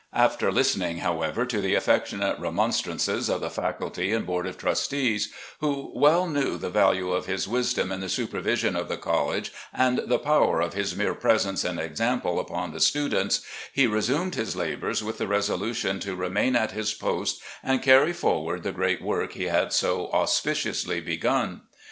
After listening, however, to the affectionate remonstrances of the faculty and board of trustees, who well knew the value of his wisdom in the supervision of the college and the power of his mere presence and example upon the students, he restimed his labours with the resolution to remain at his post and carry forward the great work he had so auspiciously begun.